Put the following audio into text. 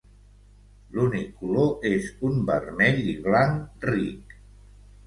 L'únic color és un vermell i blanc ric.